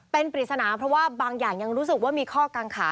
เป็นปริศนาเพราะว่าบางอย่างยังรู้สึกว่ามีข้อกังขา